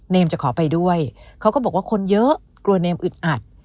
จะขอไปด้วยเขาก็บอกว่าคนเยอะกลัวเนมอึดอัด